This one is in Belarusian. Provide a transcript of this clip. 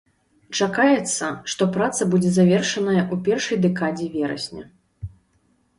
Чакаецца, што праца будзе завершаная ў першай дэкадзе верасня.